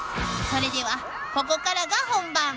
［それではここからが本番。